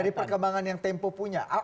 dari perkembangan yang tempo punya